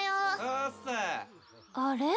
あれ？